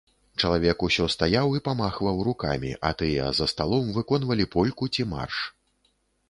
Чалавек усё стаяў і памахваў рукамі, а тыя за сталом выконвалі польку ці марш.